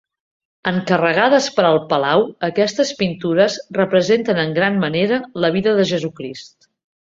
Encarregades per al palau, aquestes pintures representen en gran manera la vida de Jesucrist.